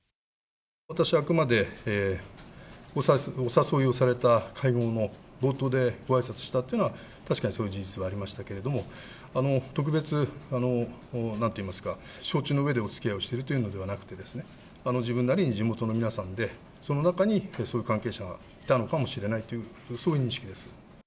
私はあくまで、お誘いをされた会合の冒頭でごあいさつしたというのは、確かにそういう事実はありましたけれども、特別なんて言いますか、承知の上でおつきあいをしているというのではなくて、自分なりに地元の皆さんで、その中にそういう関係者がいたのかもしれないという、そういう認識です。